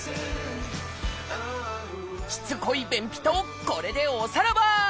しつこい便秘とこれでおさらば！